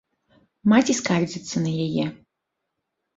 Маці скардзіцца на яе.